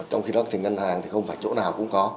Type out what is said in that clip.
trong khi đó ngân hàng không phải chỗ nào cũng có